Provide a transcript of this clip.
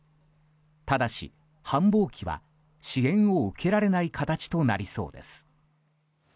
ただし、繁忙期は支援を受けられない形となりそうです。